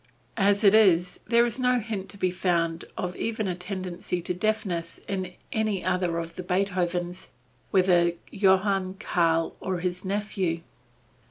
As it is, there is no hint to be found of even a tendency to deafness in any other of the Beethovens, whether Johann, Karl, or the nephew.